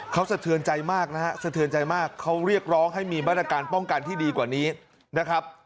เขาสะเทือนใจมากนะฮะเขาเรียกร้องให้มีบรรณการป้องกันที่ดีกว่านี้นะครับ